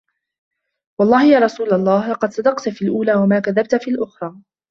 وَاَللَّهِ يَا رَسُولَ اللَّهِ لَقَدْ صَدَقْت فِي الْأُولَى وَمَا كَذَبْت فِي الْأُخْرَى